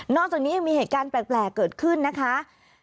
จากนี้ยังมีเหตุการณ์แปลกเกิดขึ้นนะคะ